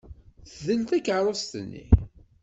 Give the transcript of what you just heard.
Tdel takeṛṛust-nni.